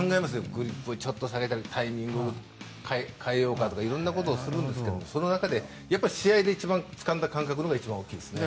グリップをちょっと下げたりタイミングをちょっと変えようかとかするんですがその中で、試合で一番つかんだ感覚が大きいですね。